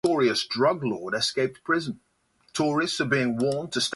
Telugu actor Venkatesh once described her as "a thorough actress".